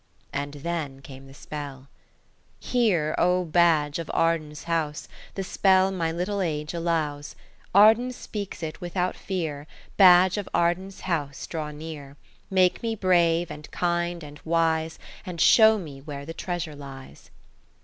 And then came the spell:– "Hear, Oh badge of Arden's house, The spell my little age allows; Arden speaks it without fear, Badge of Arden's house, draw near, Make me brave and kind and wise, And show me where the treasure lies."